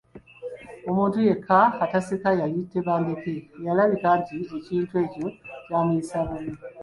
Omuntu yekka ataaseka yali Tebandeke eyalabika nti ekintu ekyo ky’amuyisa bubi.